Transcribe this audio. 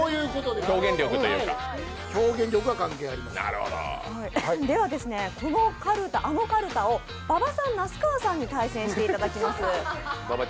では、このあのカルタを馬場さん、那須川さんに対戦していただきます。